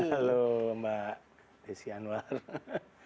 halo mbak desi anwar